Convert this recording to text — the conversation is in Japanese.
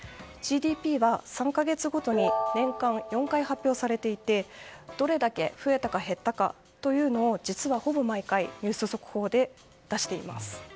ＧＤＰは３か月ごとに年間４回発表されていてどれだけ増えたか減ったかというのを実はほぼ毎回、ニュース速報で出しています。